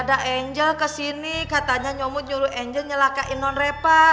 tadi teh ada angel ke sini katanya nyomot nyuruh angel nyelakain non repa